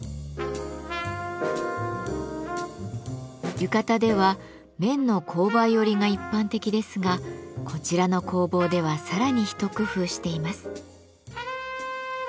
浴衣では綿の紅梅織が一般的ですがこちらの工房ではさらに一工夫しています。